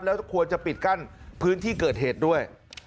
แล้วควรจะปิดกั้นพื้นที่เกิดเหตุด้วย